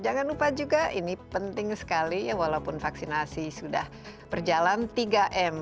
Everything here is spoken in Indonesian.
jangan lupa juga ini penting sekali ya walaupun vaksinasi sudah berjalan tiga m